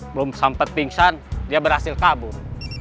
belum sempat pingsan dia berhasil kabur